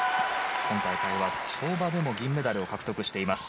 今大会は跳馬でも銀メダルを獲得しています。